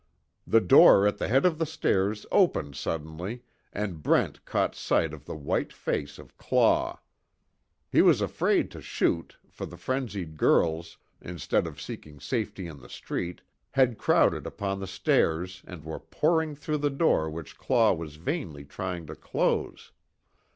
The door at the head of the stairs opened suddenly and Brent caught sight of the white face of Claw. He was afraid to shoot, for the frenzied girls, instead of seeking safety in the street, had crowded upon the stairs and were pouring through the door which Claw was vainly trying to close.